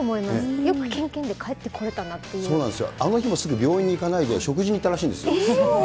よくけんけんで帰ってこれたなっそうなんですよ、あの日もすぐに病院に行かなくて、食事に行ったらしいんですよ。